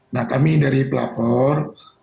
nah kami dari pelapor